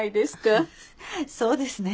そうですね。